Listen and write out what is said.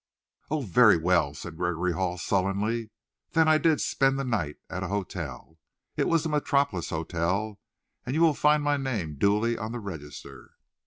"Oh, very well," said Gregory Hall sullenly; "then I did spend the night at a hotel. It was the Metropolis Hotel, and you will find my name duly on the register."